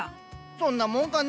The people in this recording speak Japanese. そんなもんかね。